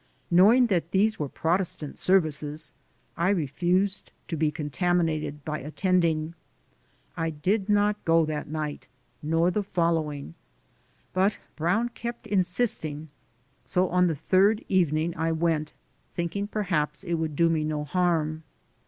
Knowing that these were Protestant services, I refused to be con taminated by attending. I did not go that night, nor the following, but Brown kept insisting; so on the third evening I went, thinking perhaps it would do me no harm.